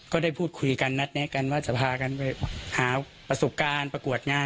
ก็ได้พูดคุยกันนัดแนะกันว่าจะพากันไปหาประสบการณ์ประกวดงาน